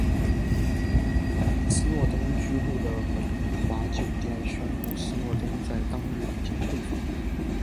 斯诺登居住的美丽华酒店宣布斯诺登在当日已经退房。